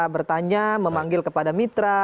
bertanya memanggil kepada mitra